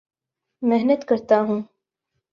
محنت کرتا ہوں